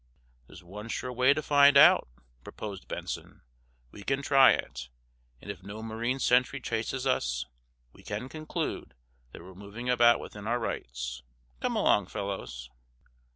"There's one sure way to find out," proposed Benson. "We can try it, and, if no marine sentry chases us, we can conclude that we're moving about within our rights. Come along, fellows."